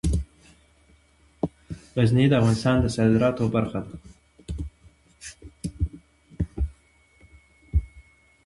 غزني د افغانستان د صادراتو برخه ده.